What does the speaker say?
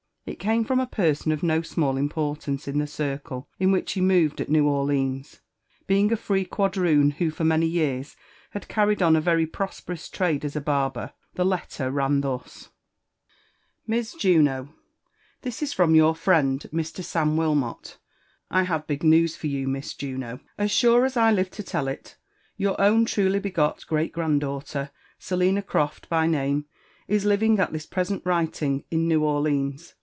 * It came from a person of no small importance in the circle in which he moved at New Orleans, being a free quadroon who for many years bad carried on a very prosperous trade as a barber. The letter ran thus:* *' Mis Jotfo. '< Thfe Is from rovtt frind Mr. Ssm WHmot. I haye big news for you, Mis JiiM. As wtt as 1 life to tell it, your own tru1y l>egot great grftndHiatighter, S«lhia Croft by Mrnle, is living at m$ prestet rKing In New Orlines.